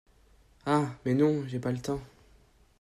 Ah ! mais non ! j’ai pas le temps !…